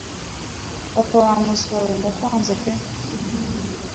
Papa wa muswa we, ndakwanze pe.